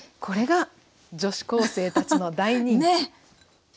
これが女子高生たちの大人気。